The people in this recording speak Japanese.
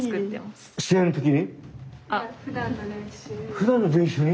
ふだんの練習に？